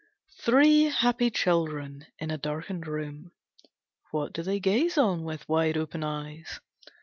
Three happy children in a darkened room! What do they gaze on with wide open eyes?